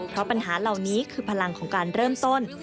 เพราะปัญหาเหล่านี้คือพลังของการเริ่มต้น